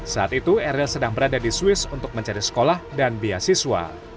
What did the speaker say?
saat itu eril sedang berada di swiss untuk mencari sekolah dan beasiswa